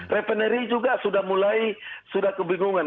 revenery juga sudah mulai sudah kebingungan